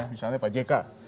misalnya pak jk